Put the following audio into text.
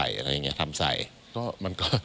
นี่ค่ะคุณผู้ชมพอเราคุยกับเพื่อนบ้านเสร็จแล้วนะน้า